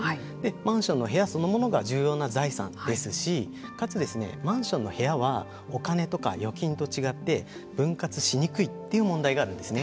マンションの部屋そのものが重要な財産ですしかつ、マンションの部屋はお金とか預金と違って分割しにくいという問題があるんですね。